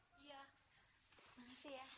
terima kasih ya